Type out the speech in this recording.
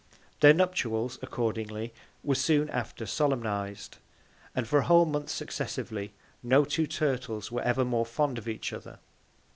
Their Nuptials accordingly were soon after solemniz'd, and for a whole Month successively, no two Turtles were ever more fond of each other.